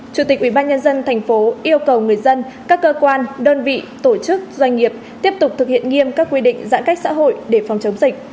chủ tịch ubnd tp yêu cầu người dân các cơ quan đơn vị tổ chức doanh nghiệp tiếp tục thực hiện nghiêm các quy định giãn cách xã hội để phòng chống dịch